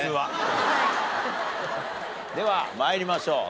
では参りましょう。